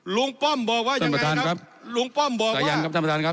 ลุงป้อมบอกว่ายังไงครับลุงป้อมบอกว่าท่านประธานครับท่านประธานครับ